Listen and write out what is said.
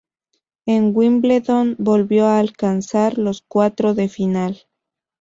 En Wimbledon volvió a alcanzar los cuartos de final.